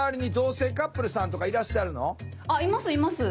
あっいますいます。